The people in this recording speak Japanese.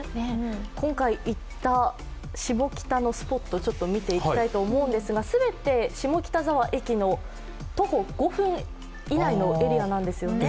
今回、行った下北のスポットをちょっと見ていきたいと思いますけれども全て下北沢駅の、徒歩５分以内のエリアなんですよね。